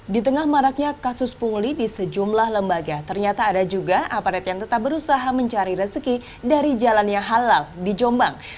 di tengah maraknya kasus pungli di sejumlah lembaga ternyata ada juga aparat yang tetap berusaha mencari rezeki dari jalannya halal di jombang